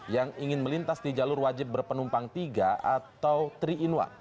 yang ingin melintas di jalur wajib berpenumpang tiga atau tiga in satu